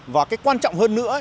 và cái quan trọng hơn nữa